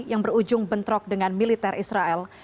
yang berujung bentrok dengan militer israel